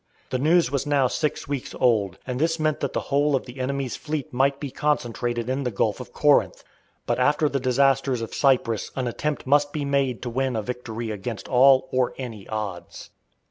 The news was now six weeks old, and this meant that the whole of the enemy's fleet might be concentrated in the Gulf of Corinth, but after the disasters of Cyprus an attempt must be made to win a victory against all or any odds.